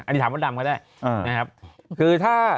อันนี้ถามมดดำก็ได้นะครับคือถ้า